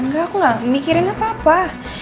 kak aku gak mikirin apa apa